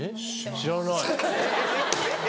知らない。